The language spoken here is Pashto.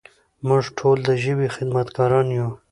موږ ټول د ژبې خدمتګاران یو.